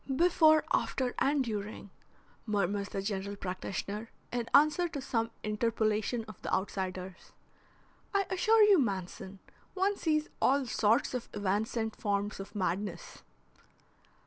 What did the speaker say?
"Before, after, and during," murmurs the general practitioner in answer to some interpolation of the outsider's. "I assure you, Manson, one sees all sorts of evanescent forms of madness."